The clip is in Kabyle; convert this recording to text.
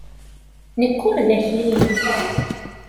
Nekk ur d akli-nnek!